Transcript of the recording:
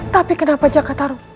tapi kenapa jakarta ruh